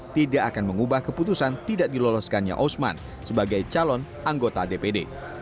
tidak akan mengubah keputusan tidak diloloskannya osman sebagai calon anggota dpd